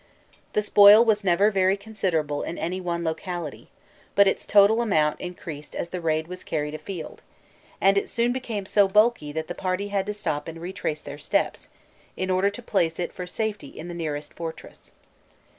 The spoil was never very considerable in any one locality, but its total amount increased as the raid was carried afield, and it soon became so bulky that the party had to stop and retrace their steps, in order to place it for safety in the nearest fortress.